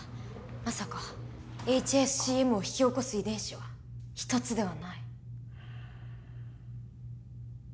まさかＨＳＣＭを引き起こす遺伝子は１つではない？